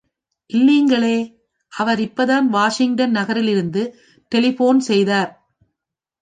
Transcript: இல்லீங்களே, அவர் இப்பத்தான் வாஷிங்டன் நகரிலிருந்து டெலிபோன் செய்தார்.